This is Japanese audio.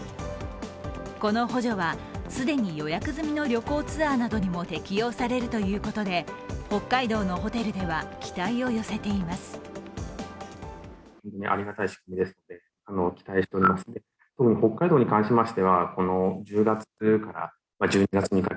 この補助は、既に予約済みの旅行ツアーなどにも適用されるということで北海道のホテルでは期待を寄せています。